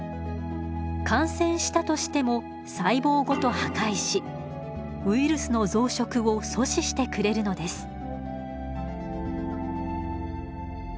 感染したとしても細胞ごと破壊しウイルスの増殖を阻止してくれるのです。